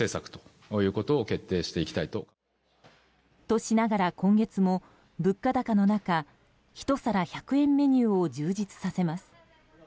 としながら今月も、物価高の中１皿１００円メニューを充実させます。